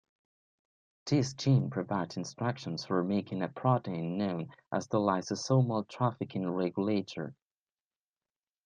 This gene provides instructions for making a protein known as the lysosomal trafficking regulator.